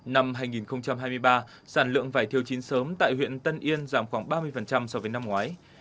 năm hai nghìn hai mươi ba sản lượng vải thiều chín sớm tại huyện tân yên giảm khoảng ba mươi so với năm ngoái